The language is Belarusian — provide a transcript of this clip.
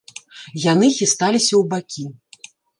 Яны хісталіся ў бакі.